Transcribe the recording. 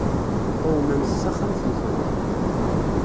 Qewmemt taxxamt-nkent.